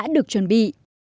và đã được chuẩn bị